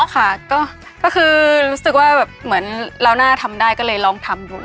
ค่ะก็คือรู้สึกว่าแบบเหมือนเราน่าทำได้ก็เลยลองทำดู